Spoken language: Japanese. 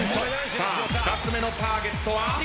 さあ２つ目のターゲットは？